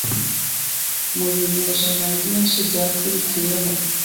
Mu binyejana byinshi byakurikiyeho,